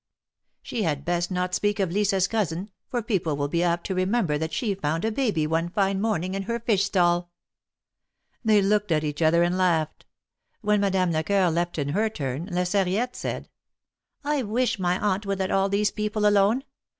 She had best not speak of Lisa's cousin, for people will be apt to remember that she found a baby one fine morning in her fish stall!" They looked at each other and laughed. When Madame Lecoeur left in her turn. La Sarriette said : wish my aunt would let all these people alone.